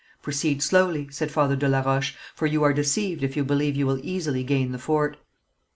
"Proceed slowly," said Father de la Roche, "for you are deceived if you believe you will easily gain the fort.